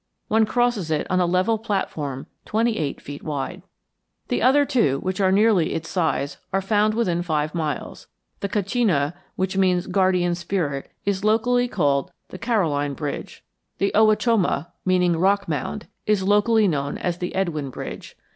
One crosses it on a level platform twenty eight feet wide. The other two, which are nearly its size, are found within five miles. The Kachina, which means Guardian Spirit, is locally called the Caroline Bridge. The Owachomo, meaning Rock Mound, is locally known as the Edwin Bridge.